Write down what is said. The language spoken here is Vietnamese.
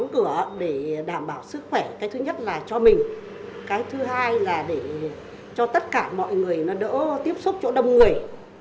cái thứ nhất là cho mình cái thứ hai là để cho tất cả mọi người nó đỡ tiếp xúc chỗ đông người